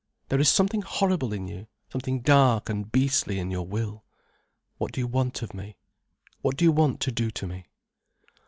There is something horrible in you, something dark and beastly in your will. What do you want of me? What do you want to do to me?"